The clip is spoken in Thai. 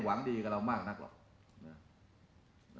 หวังดีกับเรามากนักหรอก